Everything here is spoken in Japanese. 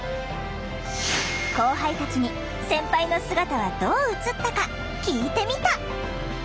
後輩たちに先輩の姿はどう映ったか聞いてみた！